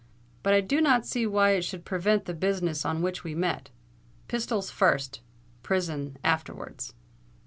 "But I do not see why it should prevent the business on which we met. Pistols first—prison afterwards."